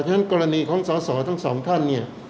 ฉะนั้นกรณีของสาวทั้งสองท่าน